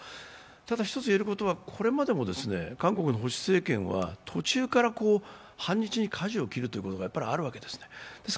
ただ、１つ言えることは、これまでも韓国の保守政権は途中から反日にかじを切ることがあるわけですね。